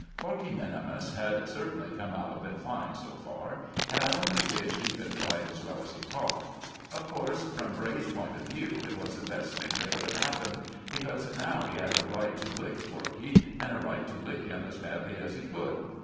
Corkey minimus had certainly come out of it fine so far, and I only wished he could fight as well as he talked. Of course, from Bray's point of view, it was the best thing that could have happened, because now he had a right to lick Corkey, and a right to lick him as badly as he could.